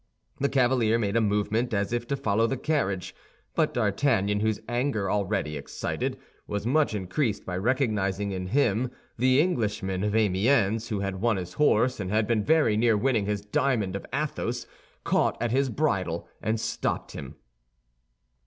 The cavalier made a movement as if to follow the carriage; but D'Artagnan, whose anger, already excited, was much increased by recognizing in him the Englishman of Amiens who had won his horse and had been very near winning his diamond of Athos, caught at his bridle and stopped him.